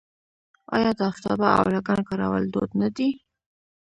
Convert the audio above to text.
آیا د افتابه او لګن کارول دود نه دی؟